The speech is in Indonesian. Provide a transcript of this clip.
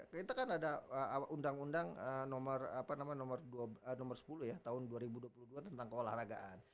kita kan ada undang undang nomor sepuluh ya tahun dua ribu dua puluh dua tentang keolahragaan